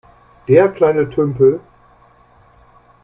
Der kleine Tümpel?